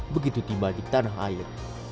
begitu tiba di tanah air